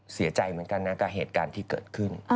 เสียใจเหมือนกันนะกับเหตุการณ์ที่เกิดขึ้น